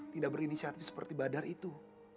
tidak berinisiatif seperti badar itu